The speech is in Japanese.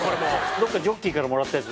どこかジョッキーからもらったやつ？